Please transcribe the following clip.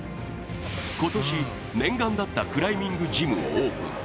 今年、念願だったクライミングジムをオープン。